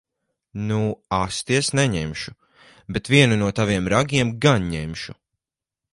Nu asti es neņemšu. Bet vienu no taviem ragiem gan ņemšu.